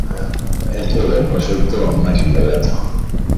Ese é o proxecto máis inmediato.